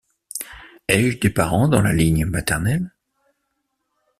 Ai-je des parents dans la ligne maternelle ?